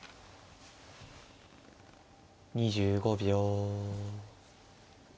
２５秒。